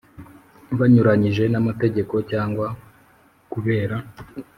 Bunyuranyije n amategeko cyangwa kubera